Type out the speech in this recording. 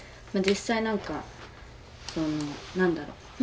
実際何か何だろう